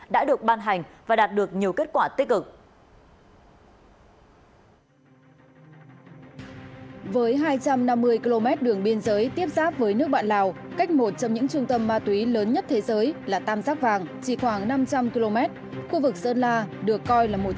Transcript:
đã được ban hành và đạt được nhiều kết quả tích cực